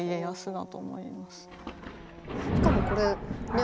しかもこれねえ